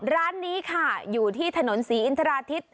ร้านนี้ค่ะอยู่ที่ถนนศรีอินทราทิศ